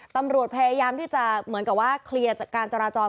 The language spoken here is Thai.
ตำรวจพยายามที่จะเหมือนกับว่าเคลียร์การจราจร